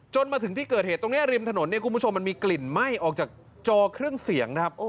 จนมาถึงที่เกิดเหตุตรงนี้ริมถนนมีกลิ่นไหม้ออกจากจอเครื่องเสียง